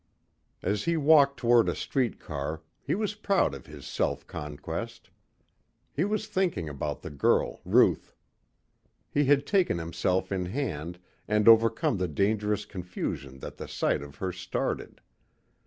As he walked toward a street car he was proud of his self conquest. He was thinking about the girl, Ruth. He had taken himself in hand and overcome the dangerous confusion that the sight of her started.